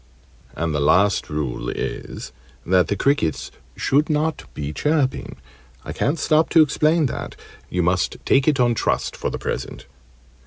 And the last rule is, that the crickets should not be chirping. I can't stop to explain that: you must take it on trust for the present.